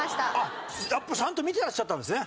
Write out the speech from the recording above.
やっぱちゃんと見ていらっしゃったんですね。